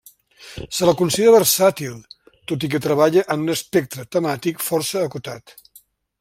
Se la considera versàtil, tot i que treballa en un espectre temàtic força acotat.